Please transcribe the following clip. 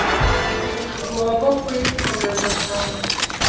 ntitugomba kuyikomeza cyane.